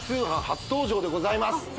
初登場でございます